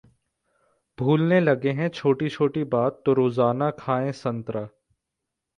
भूलने लगे हैं छोटी-छोटी बात तो रोजाना खाएं संतरा